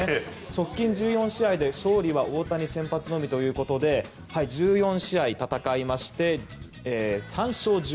直近１４試合で勝利は大谷先発のみということで１４試合戦いまして３勝１１敗。